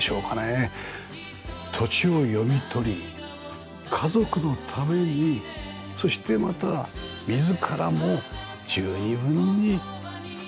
土地を読み取り家族のためにそしてまた自らも十二分に楽しめる。